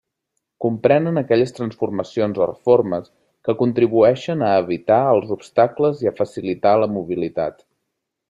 Comprenen aquelles transformacions o reformes que contribueixen a evitar els obstacles i a facilitar la mobilitat.